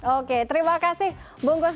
oke terima kasih bungkus